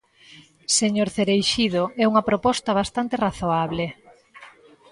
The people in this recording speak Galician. Señor Cereixido, é unha proposta bastante razoable.